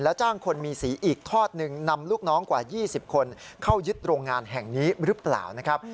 จ้างคนมีสีอีกทอดหนึ่งนำลูกน้องกว่า๒๐คนเข้ายึดโรงงานแห่งนี้หรือเปล่านะครับ